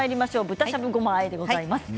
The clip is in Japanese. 豚しゃぶごまあえでございます。